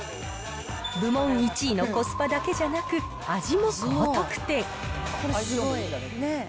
部門１位のコスパだけじゃなく、味も高得点。